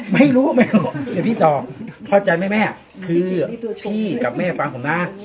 ไม่รู้ไปอ่ะเดี๋ยวพี่ขอพฤตจ๋นแม่แม่คือพี่กับแม่ฟังผมน่ะ